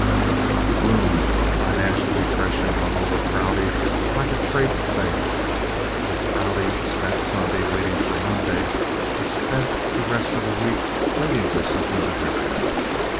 The gloom of financial depression hung over Prouty like a crepe veil. If Prouty spent Sunday waiting for Monday, it spent the rest of the week waiting for something to happen.